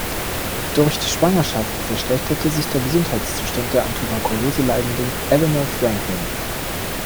Durch die Schwangerschaft verschlechterte sich der Gesundheitszustand der an Tuberkulose leidenden Eleanor Franklin.